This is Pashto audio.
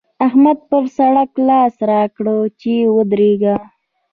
احمد پر سړک لاس راکړ چې ودرېږه!